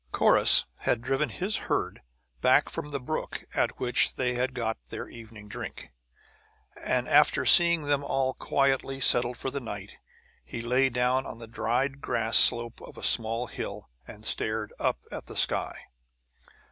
Corrus had driven his herd back from the brook at which they had got their evening drink, and after seeing them all quietly settled for the night, he lay down on the dried grass slope of a small hill, and stared up at the sky.